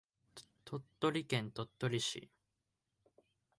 鳥取県鳥取市